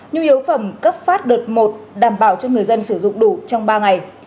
nhu yếu phẩm cấp phát đợt một đảm bảo cho người dân sử dụng đủ trong ba ngày